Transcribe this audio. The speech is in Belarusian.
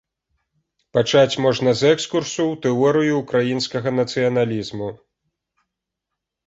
Пачаць можна з экскурсу ў тэорыю ўкраінскага нацыяналізму.